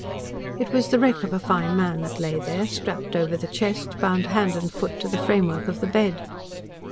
It was the wreck of a fine man that lay there, strapped over the chest, bound hand and foot to the framework of the bed.